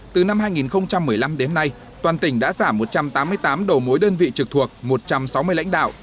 từ năm hai nghìn một mươi năm đến nay toàn tỉnh đã giảm một trăm tám mươi tám đầu mối đơn vị trực thuộc một trăm sáu mươi lãnh đạo